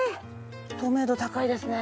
透明度高いですね。